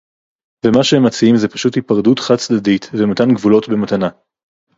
ומה שהם מציעים זה פשוט היפרדות חד-צדדית ומתן גבולות במתנה